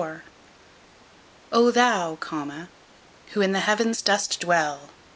O Thou, who in the heavens dost dwell!